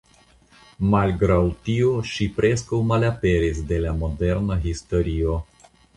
Malgraŭ tio ŝi preskaŭ malaperis de la moderna historio.